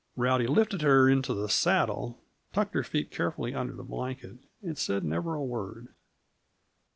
Rowdy lifted her into the saddle, tucked her feet carefully under the blanket, and said never a word.